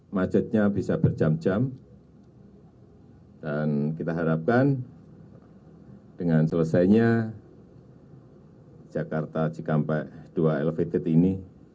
macetnya bisa berjam jam dan kita harapkan dengan selesainya jakarta cikampek dua elevated ini